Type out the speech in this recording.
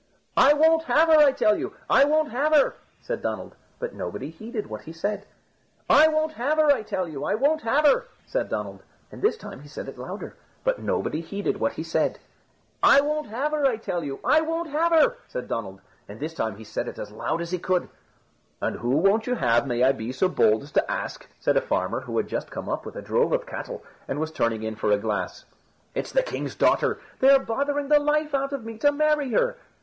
"I won't have her, I tell you; I won't have her!" said Donald. But nobody heeded what he said. "I won't have her, I tell you; I won't have her!" said Donald, and this time he said it louder; but nobody heeded what he said. "I won't have her, I tell you; I won't have her!" said Donald; and this time he said it as loud as he could. "And who won't you have, may I be so bold as to ask?" said a farmer, who had just come up with a drove of cattle, and was turning in for a glass. "It's the king's daughter. They are bothering the life out of me to marry her."